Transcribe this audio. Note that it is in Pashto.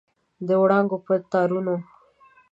د وړانګو په تارونو